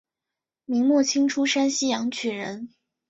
明末清初山西阳曲人。